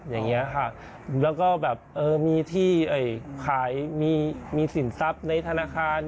อย่างนี้ค่ะแล้วก็แบบเออมีที่ขายมีสินทรัพย์ในธนาคาร